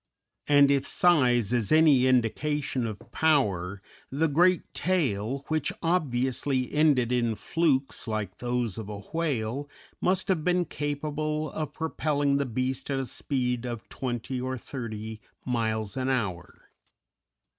And if size is any indication of power, the great tail, which obviously ended in flukes like those of a whale, must have been capable of propelling the beast at a speed of twenty or thirty miles an hour.